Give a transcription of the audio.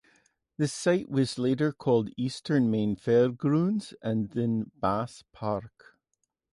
The site was later called Eastern Maine Fairgrounds and then Bass Park.